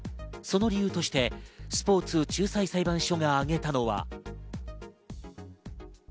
その理由としてスポーツ仲裁裁判所が挙げたのは。